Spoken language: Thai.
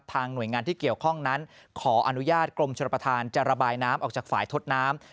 หน่วยงานที่เกี่ยวข้องนั้นขออนุญาตกรมชนประธานจะระบายน้ำออกจากฝ่ายทดน้ำ